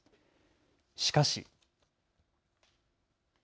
しかし。